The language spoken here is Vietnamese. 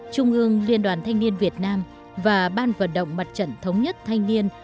trung ương liên đoàn thanh niên việt nam và ban vận động mặt trận thống nhất thanh niên